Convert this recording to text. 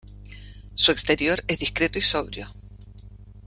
Su exterior es discreto y sobrio.